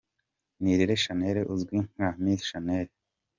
Nirere Shanel uzwi nka Miss Shanel.